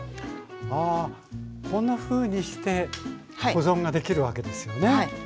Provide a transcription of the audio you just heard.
こんなふうにして保存ができるわけですよね。